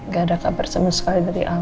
gak ada kabar sama sekali dari om